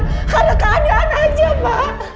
karena keadaan aja pak